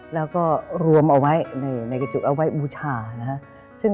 แล้วก็รวมเอาไว้ในกระจุกเอาไว้บูชานะฮะ